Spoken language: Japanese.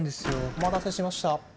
お待たせしました。